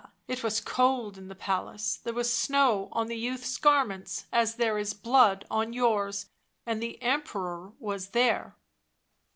it was cold in the palace, there was snow on the youth's garments, as there is blood on yours, and the Emperor was there.